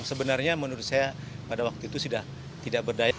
sebenarnya menurut saya pada waktu itu sudah tidak berdaya